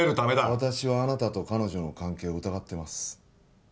私はあなたと彼女の関係を疑ってます